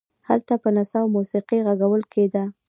هلته به نڅا او موسیقي غږول کېده.